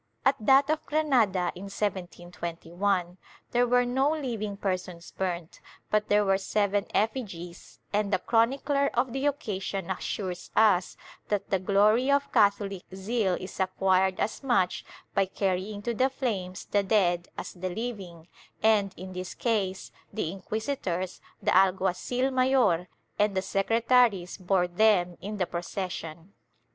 ^ At that of Granada, in 1721, there were no living persons burnt, but there were seven effigies, and the chronicler of the occasion assures us that the glory of Catholic zeal is acquired as much by carrying to the flames the dead as the living and, in this case, the inquisitors, the alguacil mayor and the secretaries bore them in the procession.